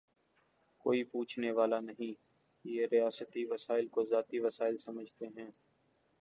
کوئی پوچھنے والا نہیں، ریاستی وسائل کوذاتی وسائل سمجھتے ہیں۔